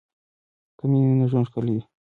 که مینه وي نو ژوند ښکلی وي.